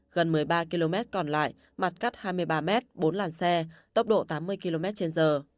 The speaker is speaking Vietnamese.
gần một mươi ba km còn lại mặt cắt hai mươi ba m bốn làn xe tốc độ tám mươi km trên giờ